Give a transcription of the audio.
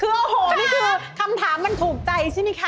โอ้โหนี่คือคำถามมันถูกใจใช่ไหมคะ